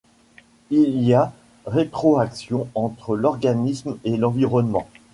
Il y a rétroaction entre l’organisme et l’environnement.